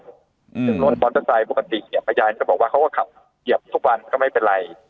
ซึ่งรถบอลเปอร์ไซม์แบบปกติอาญานจะบอกว่าเขาก็ขับเยียบทุกวันก็ไม่เป็นไร